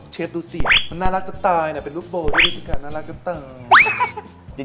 เชฟดูสิมันน่ารักกว่าตายนะเป็นลูปโบว์ที่ดูสิกัดน่ารักกว่าตาย